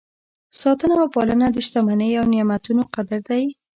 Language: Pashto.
ساتنه او پالنه د شتمنۍ او نعمتونو قدر دی.